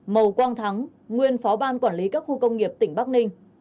màu quang thắng nguyên phó ban quản lý các khu công nghiệp tỉnh bắc ninh